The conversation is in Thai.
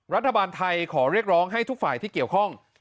รัฐบาลไทยขอเรียกร้องให้ทุกฝ่ายที่เกี่ยวข้อง